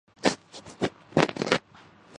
جب ہم قربانی کے بکرے بن جاتے ہیں۔